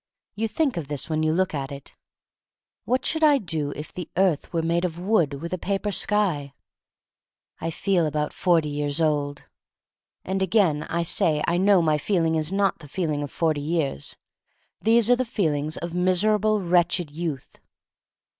You think of this when you look at it. What should I do if the earth were made of wood, with a paper skyl I feel about forty years old. And again I say I know my feeling is not the feeling of forty years. These are the feelings of miserable, wretched youth.